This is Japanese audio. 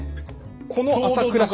この朝倉氏。